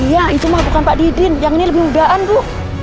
iya itu mah bukan pak didin yang ini lebih mudaan bu